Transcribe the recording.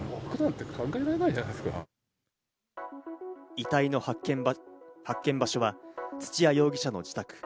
遺体の発見場所は土屋容疑者の自宅。